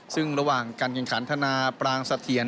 ซึ่งระหว่างการแข่งขันธนาปรางสะเทียน